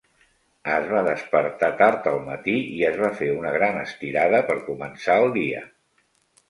Es va despertar tard al matí i es va fer una gran estirada per començar el dia.